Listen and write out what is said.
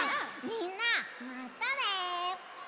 みんなまたね！